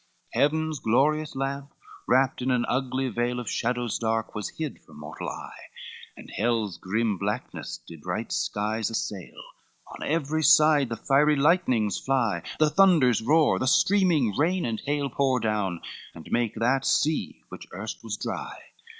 CXVI Heaven's glorious lamp, wrapped in an ugly veil Of shadows dark, was hid from mortal eye, And hell's grim blackness did bright skies assail; On every side the fiery lightnings fly, The thunders roar, the streaming rain and hail Pour down and make that sea which erst was dry.